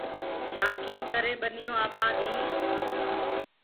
شآکيٚ ڪري ٻنيونٚ آبآد هينٚ۔